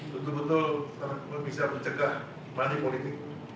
betul betul kita bisa mencegah mani politik